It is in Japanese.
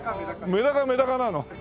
メダカはメダカなの？